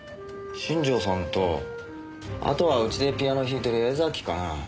新城さんとあとはうちでピアノ弾いてる江崎かな。